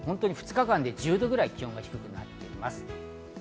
２日間で１０度くらい気温が低くなっています。